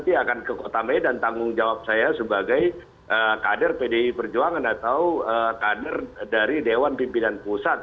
jadi saya akan ke kota medan tanggung jawab saya sebagai kader pdi perjuangan atau kader dari dewan pimpinan pusat